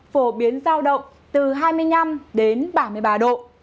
phổ biến giao động từ hai mươi năm đến ba mươi ba độ